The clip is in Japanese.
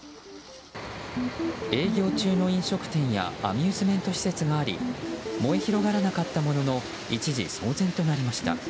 営業中の飲食店やアミューズメント施設があり燃え広がらなかったものの一時騒然となりました。